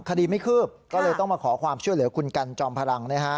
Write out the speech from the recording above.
คดีไม่คืบก็เลยต้องมาขอความช่วยเหลือคุณกันจอมพลังนะฮะ